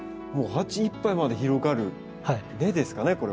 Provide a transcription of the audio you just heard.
もう鉢いっぱいまで広がる根ですかね